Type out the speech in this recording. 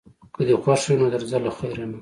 که دې خوښه وي نو درځه له خیره، نه.